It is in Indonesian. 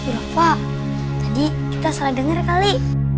rafa tadi kita salah denger kali